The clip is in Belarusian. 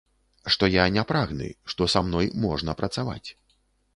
Што я не прагны, што са мной можна працаваць.